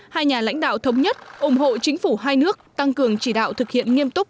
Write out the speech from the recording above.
hai nhà lãnh đạo thống nhất ủng hộ chính phủ hai nước tăng cường chỉ đạo thực hiện nghiêm túc